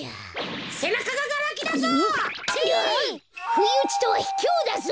ふいうちとはひきょうだぞ。